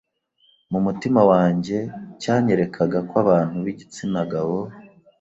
mu mutima wanjye cyanyerekaga ko abantu b’igitsina gabo